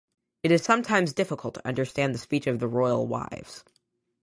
It is sometimes difficult to understand the speech of the royal wives.